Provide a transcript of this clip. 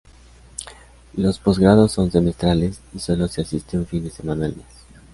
Los posgrados son semestrales, y sólo se asiste un fin de semana al mes.